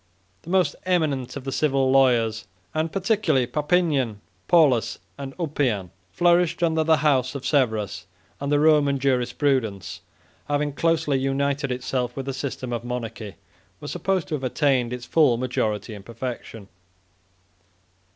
71 The most eminent of the civil lawyers, and particularly Papinian, Paulus, and Ulpian, flourished under the house of Severus; and the Roman jurisprudence, having closely united itself with the system of monarchy, was supposed to have attained its full majority and perfection.